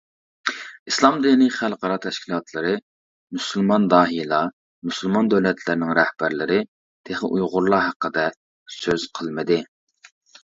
ئىسلام دىنى خەلقئارا تەشكىلاتلىرى، مۇسۇلمان داھىيلار، مۇسۇلمان دۆلەتلەرنىڭ رەھبەرلىرى تېخى ئۇيغۇرلار ھەققىدە سۆز قىلمىدى.